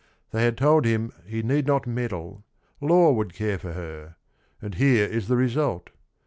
They had told him he need not meddle, law would care for her, and here is the result.